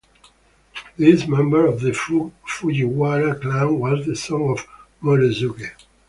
This member of the Fujiwara clan was the son of Morosuke.